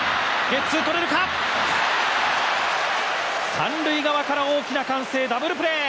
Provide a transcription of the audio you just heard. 三塁側から大きな歓声ダブルプレー。